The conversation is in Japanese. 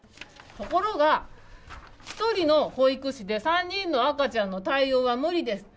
ところが、１人の保育士で３人の赤ちゃんの対応は無理です。